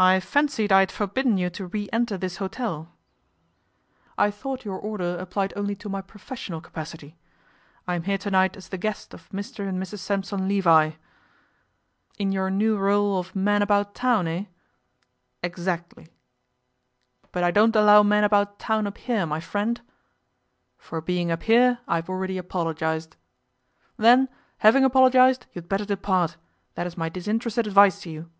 'I fancied I had forbidden you to re enter this hotel?' 'I thought your order applied only to my professional capacity. I am here to night as the guest of Mr and Mrs Sampson Levi.' 'In your new rôle of man about town, eh?' 'Exactly.' 'But I don't allow men about town up here, my friend.' 'For being up here I have already apologized.' 'Then, having apologized, you had better depart; that is my disinterested advice to you.